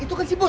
itu kan si bos